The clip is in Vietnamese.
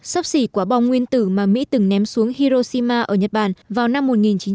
sắp xỉ quả bom nguyên tử mà mỹ từng ném xuống hiroshima ở nhật bản vào năm một nghìn chín trăm bảy mươi